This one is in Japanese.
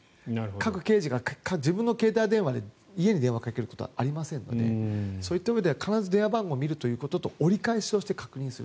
各刑事が自分の携帯電話で家に電話をかけることはありませんのでそういったうえでは必ず電話番号を見るということと折り返しをして確認する。